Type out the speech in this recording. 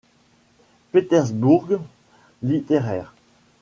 Petersbourg littéraire.